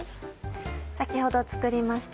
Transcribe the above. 先ほど作りました